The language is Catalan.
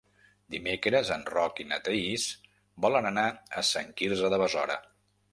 Dimecres en Roc i na Thaís volen anar a Sant Quirze de Besora.